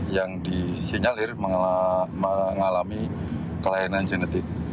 yang disinyalir mengalami kelainan genetik